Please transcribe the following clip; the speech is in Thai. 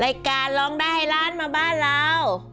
รายการร้องได้ให้ล้านมาบ้านเรา